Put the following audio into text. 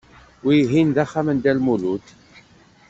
Wihin d axxam n Dda Lmulud.